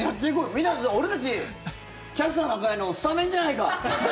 みんな、俺たち「キャスターな会」のスタメンじゃないか！